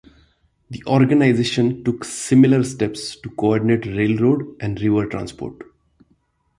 The organization took similar steps to coordinate railroad and river transport.